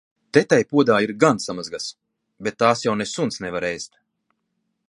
Te tai podā ir gan samazgas, bet tās jau ne suns nevar ēst.